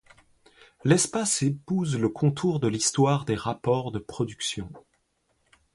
L'espace épouse le contour de l'histoire des rapports de production